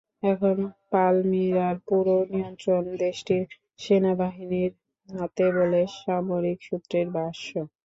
এখন পালমিরার পুরো নিয়ন্ত্রণ দেশটির সেনাবাহিনীর হাতে বলে সামরিক সূত্রের ভাষ্য।